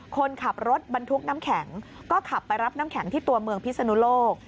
คนขับรถบรรทุกน้ำแข็งก็ขับไปรับน้ำแข็งที่ตัวเมืองพิศนุโลก